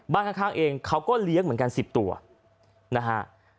ข้างเองเขาก็เลี้ยงเหมือนกัน๑๐ตัวนะฮะ